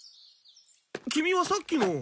キミはさっきの。